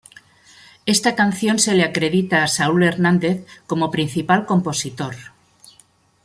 Esta canción se le acredita a Saúl Hernández como principal compositor.